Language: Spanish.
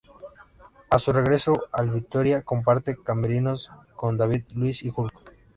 A su regreso al Vitória comparte camerinos con David Luiz y Hulk.